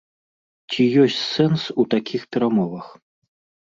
Ці ёсць сэнс у такіх перамовах?